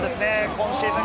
今シーズン